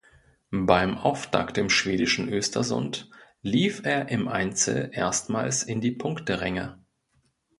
Beim Auftakt im schwedischen Östersund lief er im Einzel erstmals in die Punkteränge.